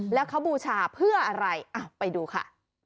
แล้วเขาบูชาเพื่ออะไรไปดูค่ะ